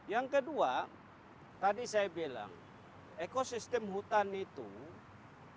yang kedua tadi saya bilang ekosistem hutan itu tidak bisa dihubungkan dengan ekosistem